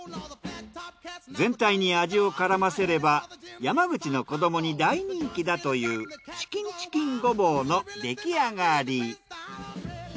全体に味を絡ませれば山口の子どもに大人気だというチキンチキンごぼうの出来上がり。